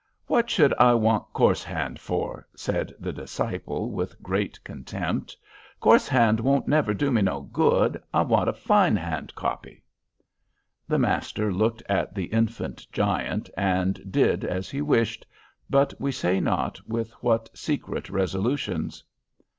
"What should I want coarse hand for?" said the disciple, with great contempt; "coarse hand won't never do me no good. I want a fine hand copy." The master looked at the infant giant, and did as he wished, but we say not with what secret resolutions.